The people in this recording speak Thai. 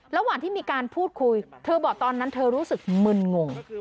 ระหว่างที่มีการพูดคุยเธอบอกตอนนั้นเธอรู้สึกมึนงง